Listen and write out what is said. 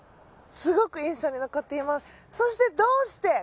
すごく印象に残っています。